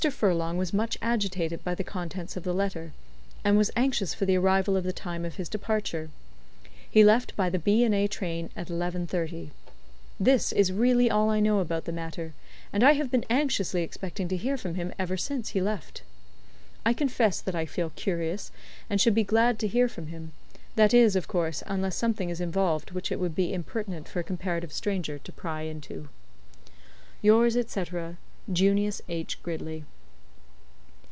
Furlong was much agitated by the contents of the letter, and was anxious for the arrival of the time of his departure. He left by the B. & A. train at 11.30. This is really all I know about the matter, and I have been anxiously expecting to hear from him ever since he left. I confess that I feel curious, and should be glad to hear from him that is, of course, unless something is involved which it would be impertinent for a comparative stranger to pry into. "Yours, &c., "JUNIUS H. GRIDLEY."